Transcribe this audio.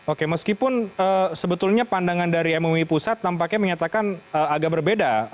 oke meskipun sebetulnya pandangan dari mui pusat tampaknya menyatakan agak berbeda